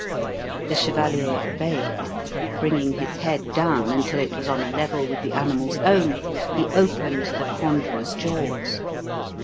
The chevalier obeyed. Bringing his head down until it was on a level with the animal's own, he opened the ponderous jaws.